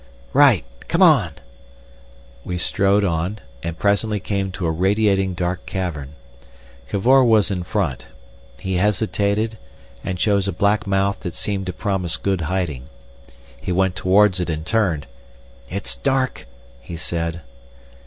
"Right—come on." We strode on, and presently came to a radiating dark cavern. Cavor was in front. He hesitated, and chose a black mouth that seemed to promise good hiding. He went towards it and turned. "It's dark," he said.